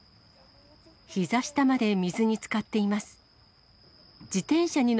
ひざ下まで水につかっています。